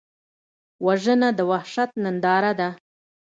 وژنه د وحشت ننداره ده